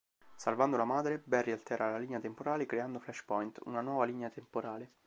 Salvando la madre, Barry altera la linea temporale creando "Flashpoint", una nuova linea temporale.